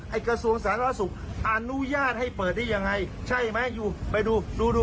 กระทรวงสาธารณสุขอนุญาตให้เปิดได้ยังไงใช่ไหมอยู่ไปดูดูดู